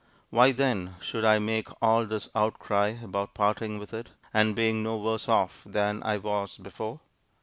Why, then, should I make all this outcry about parting with it, and being no worse off than I was before?